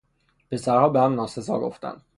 پسرها به هم ناسزا گفتند.